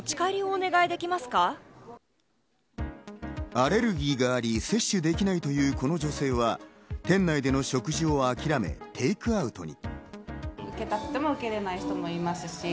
アレルギーがあり接種できないというこの女性は、店内の食事を諦めテークアウトに。